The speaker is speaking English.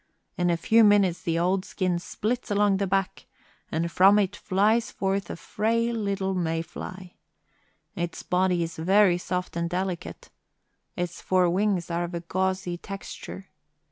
In a few minutes the old skin splits along the back, and from it flies forth a frail little May fly. Its body is very soft and delicate. Its four wings are of a gauzy texture.